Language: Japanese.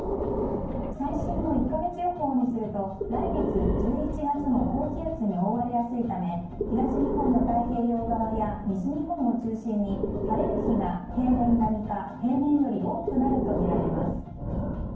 最新の１か月予報によると来月１１月も高気圧に覆われやすいため東日本の太平洋側や西日本を中心に晴れる日が、平年並みか平年より多くなるとみられます。